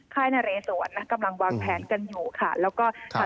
ค่ายนเรสวนนะกำลังวางแผนกันอยู่ค่ะแล้วก็ค่ะ